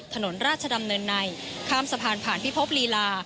ถนนราชดำเนินในข้ามสะพานผ่านพิภพลีลา